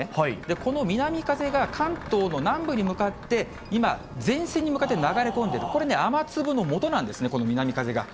この南風が、関東の南部に向かって今、前線に向かって流れ込んでいる、これね、雨粒のもとなんですね、この南風が。